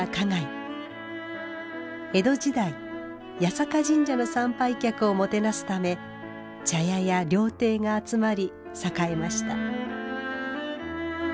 江戸時代八坂神社の参拝客をもてなすため茶屋や料亭が集まり栄えました。